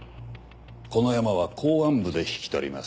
このヤマは公安部で引き取ります。